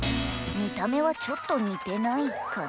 見た目はちょっと似てないかな？